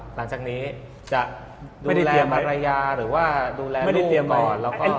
หลังจากนี้จะดูแลภรรยาหรือว่าร่วมดูแลลูกก่อน